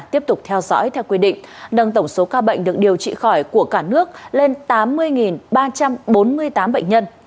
tiếp tục theo dõi theo quy định nâng tổng số ca bệnh được điều trị khỏi của cả nước lên tám mươi ba trăm bốn mươi tám bệnh nhân